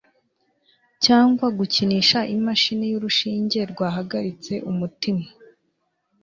Cyangwa gukinisha imashini y'urushinge rwahagaritse umutima